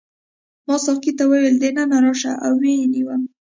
ما ساقي ته وویل دننه راشه او ویې نیوم.